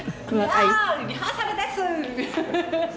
「うわー！リハーサルです！」